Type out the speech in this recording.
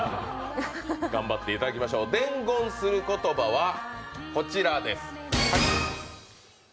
頑張っていただきましょう、伝言する言葉はこちらです。